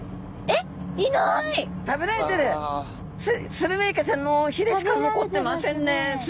スルメイカちゃんのひれしか残ってませんねす